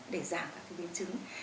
để giảm các biến chứng